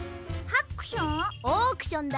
ハックション？